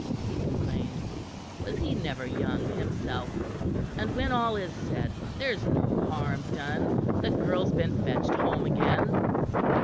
he complained. "Was he never young himself? And when all is said, there's no harm done. The girl's been fetched home again."